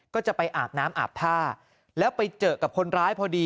ก็จะไปอาบน้ำอาบผ้า